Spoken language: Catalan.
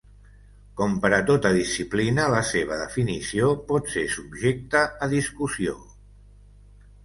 Com per a tota disciplina la seva definició pot ser subjecta a discussió.